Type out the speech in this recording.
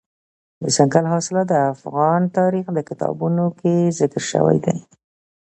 دځنګل حاصلات د افغان تاریخ په کتابونو کې ذکر شوی دي.